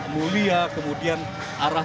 mulia kemudian arah